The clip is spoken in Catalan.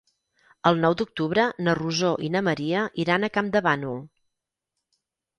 El nou d'octubre na Rosó i na Maria iran a Campdevànol.